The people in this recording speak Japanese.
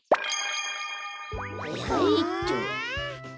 はいはいっと。